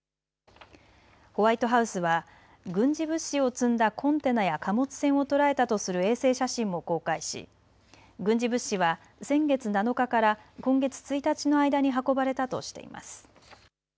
ホワイトハウスは軍事物資を積んだコンテナや貨物船を捉えたとする衛星写真も公開し軍事物資は先月７日から今月１日の間に運ばれたとしています。